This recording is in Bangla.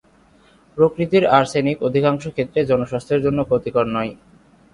প্রকৃতির আর্সেনিক অধিকাংশ ক্ষেত্রেই জনস্বাস্থ্যের জন্য ক্ষতিকর নয়।